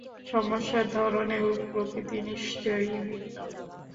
সমস্যার ধরন এবং প্রকৃতি নিশ্চয়ই ভিন্ন।